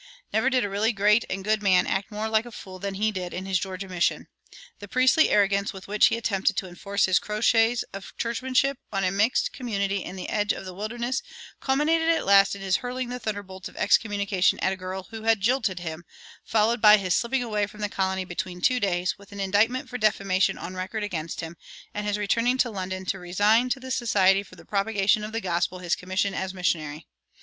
Never did a really great and good man act more like a fool than he did in his Georgia mission. The priestly arrogance with which he attempted to enforce his crotchets of churchmanship on a mixed community in the edge of the wilderness culminated at last in his hurling the thunderbolts of excommunication at a girl who had jilted him, followed by his slipping away from the colony between two days, with an indictment for defamation on record against him, and his returning to London to resign to the Society for the Propagation of the Gospel his commission as missionary.